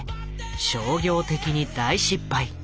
商業的に大失敗。